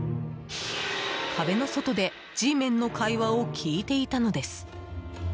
壁の外でＧメンの会話を聞いていたのです。